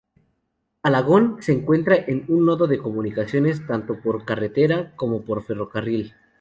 Alagón se encuentra en un nodo de comunicaciones tanto por carretera como por ferrocarril.